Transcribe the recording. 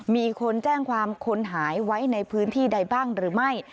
มีคนแจ้งความคนหายไว้ในพื้นที่ใดบ้างหรือไม่